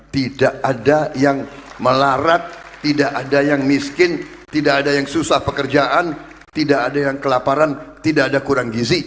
tidak ada yang melarat tidak ada yang miskin tidak ada yang susah pekerjaan tidak ada yang kelaparan tidak ada kurang gizi